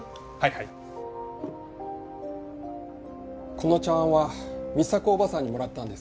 この茶碗は美沙子おばさんにもらったんです。